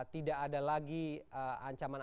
tidak ada lagi ancaman